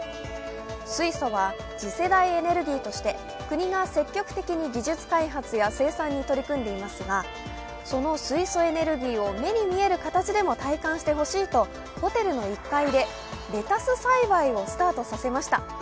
水素は次世代エネルギーとして、国が積極的に技術開発や生産に取り組んでいますが、その水素エネルギーを目に見える形でも体感してほしいとホテルの１階でレタス栽培をスタートさせました。